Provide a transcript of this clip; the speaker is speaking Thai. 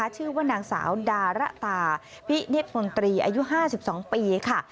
ชื่อว่านางสาวดาระตาพิเนธมนตรีอายุ๕๒ปีค่ะ